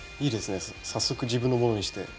いいですね早速自分のものにして。